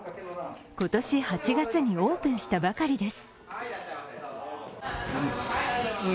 今年８月にオープンしたばかりです。